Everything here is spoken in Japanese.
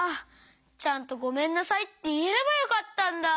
ちゃんと「ごめんなさい」っていえればよかったんだ。